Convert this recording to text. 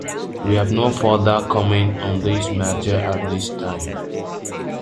We have no further comment on this matter at this time.